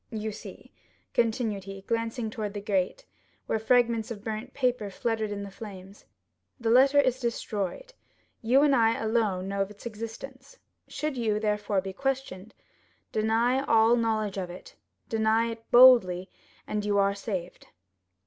"You see," continued he, glancing toward the grate, where fragments of burnt paper fluttered in the flames, "the letter is destroyed; you and I alone know of its existence; should you, therefore, be questioned, deny all knowledge of it—deny it boldly, and you are saved."